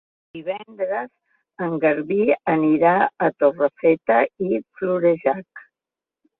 Divendres en Garbí anirà a Torrefeta i Florejacs.